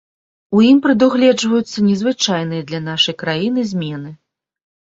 У ім прадугледжваюцца незвычайныя для нашай краіны змены.